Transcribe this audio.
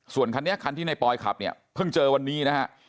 ส่วนคันนี้คันที่ในปอยขับเนี่ยเพิ่งเจอวันนี้นะฮะ